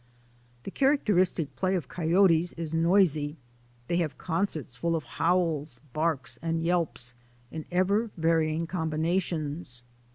The characteristic play of coyotes is noisy. They have concerts full of howls, barks, and yelps, in ever varying combinations.